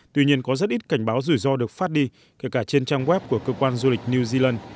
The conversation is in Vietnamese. tuy nhiên có rất ít cảnh báo rủi ro được phát đi kể cả trên trang web của cơ quan du lịch new zealand